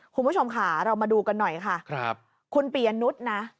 คุณผู้ชมค่ะเรามาดูกันหน่อยค่ะครับคุณปียนุษย์นะ